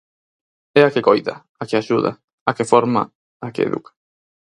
É a que coida, a que axuda, a que forma, a que educa.